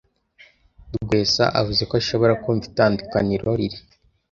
Rwesa avuga ko ashobora kumva itandukaniro riri